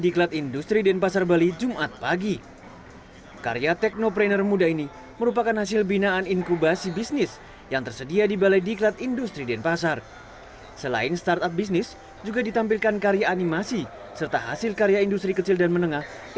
kepala kementerian perindustrian